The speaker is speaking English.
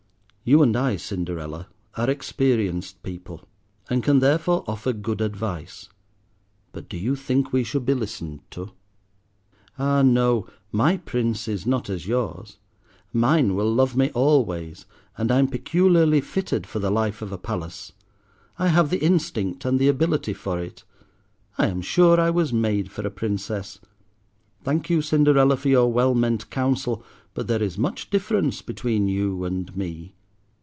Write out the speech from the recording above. You and I, Cinderella, are experienced people, and can therefore offer good advice, but do you think we should be listened to? "Ah, no, my Prince is not as yours. Mine will love me always, and I am peculiarly fitted for the life of a palace. I have the instinct and the ability for it. I am sure I was made for a princess. Thank you, Cinderella, for your well meant counsel, but there is much difference between you and me."